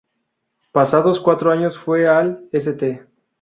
Pasados cuatro años fue al St.